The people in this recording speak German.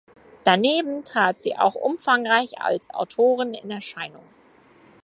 Daneben trat sie auch umfangreich als Autorin in Erscheinung.